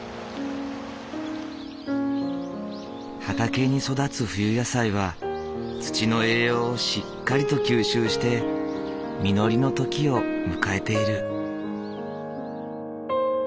畑に育つ冬野菜は土の栄養をしっかりと吸収して実りの時を迎えている。